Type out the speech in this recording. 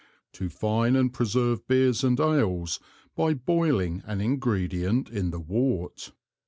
To fine and preserve Beers and Ales by boiling an Ingredient in the Wort.